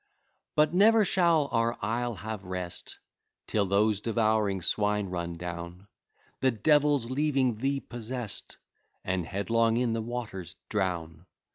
But never shall our isle have rest, Till those devouring swine run down, (The devils leaving the possest) And headlong in the waters drown.